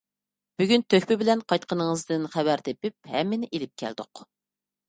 بۈگۈن تۆھپە بىلەن قايتقىنىڭىزدىن خەۋەر تېپىپ ھەممىنى ئېلىپ كەلدۇق.